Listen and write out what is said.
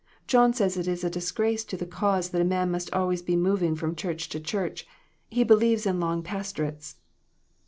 John says it is a disgrace to the cause that a man must be always moving from church to church. He believes in long pastorates."